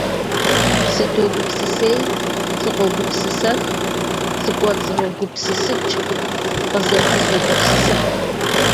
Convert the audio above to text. Сыдогупсысей, сыкъогупсысэх, сыкӀуэцӀрогупсысыкӀ, къызэхызогупсысыхь.